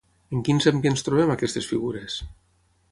En quins ambients trobem aquestes figures?